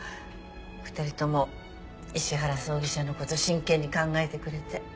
２人とも石原葬儀社のこと真剣に考えてくれて。